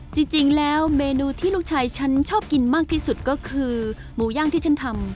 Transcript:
จริงแล้วเมนูที่ลูกชายฉันชอบกินมากที่สุดก็คือหมูย่างที่ฉันทำ